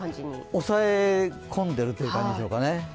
押さえ込んでるという感じでしょうか。